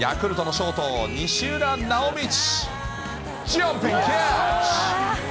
ヤクルトのショート、西浦直みち。